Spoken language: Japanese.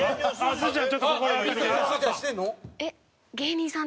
すずちゃん。